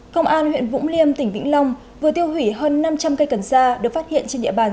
công an huyện vũng liêm tỉnh vĩnh long vừa tiêu hủy hơn năm trăm linh cây cần sa được phát hiện trên địa bàn